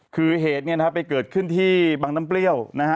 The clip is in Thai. คือเหตุเนี่ยนะฮะไปเกิดขึ้นที่บางน้ำเปรี้ยวนะฮะ